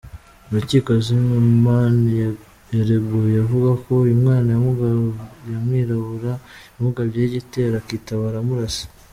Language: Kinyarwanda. Mu rukiko, Zimmerman yireguye avuga ko uyu mwana w’umwirabura yamugabyeho igitero akitabara aramurasa.